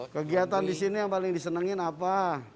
kegiatan di sini yang paling disenengin apa